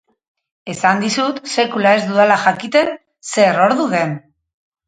Esan dizut sekula ez dudala jakiten zer ordu den.